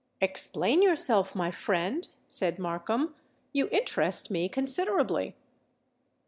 "Explain yourself, my friend," said Markham: "you interest me considerably."